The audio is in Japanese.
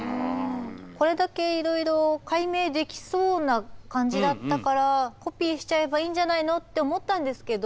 これだけいろいろ解明できそうな感じだったからコピーしちゃえばいいんじゃないのって思ったんですけど。